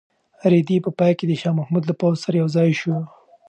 رېدی په پای کې د شاه محمود له پوځ سره یوځای شو.